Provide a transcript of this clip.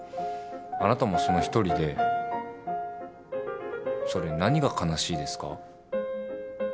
あなたもその１人でそれ何が悲しいですか？